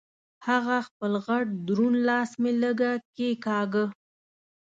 هغه خپل غټ دروند لاس مې لږه کېګاږه.